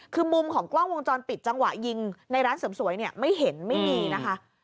คือมุมของกล้องวงจรปิดจังหวะยิงในร้านเสริมสวยเนี่ยไม่เห็นไม่มีนะคะ